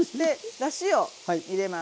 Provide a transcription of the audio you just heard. だしを入れます。